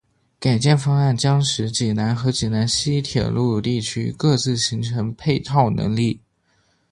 改建方案将使济南和济南西铁路地区各自形成配套能力。